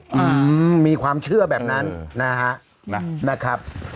อืมมีความเชื่อแบบนั้นนะฮะ